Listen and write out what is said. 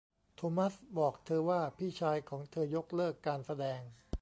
โทมัสบอกเธอว่าพี่ชายของเธอยกเลิกการแสดง